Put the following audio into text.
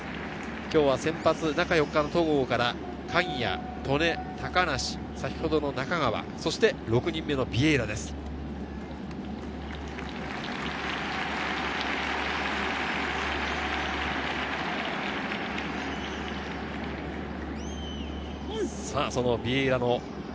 今日は先発、中４日の戸郷から鍵谷、戸根、高梨、先ほどの中川、そして６人目のビエイラです。